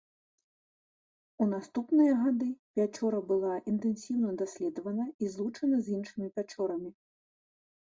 У наступныя гады пячора была інтэнсіўна даследавана і злучана з іншымі пячорамі.